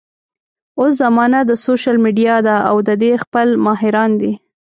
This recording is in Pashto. اوس زمانه د سوشل ميډيا ده او د دې خپل ماهران دي